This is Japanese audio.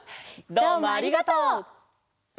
どうもありがとう！